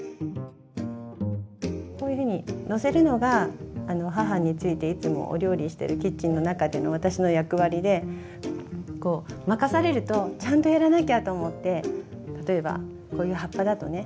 こういうふうにのせるのが母に付いていつもお料理してるキッチンの中での私の役割でこう任されるとちゃんとやらなきゃと思って例えばこういう葉っぱだとね